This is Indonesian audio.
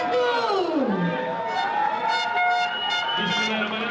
inilah untuk pemotongan perang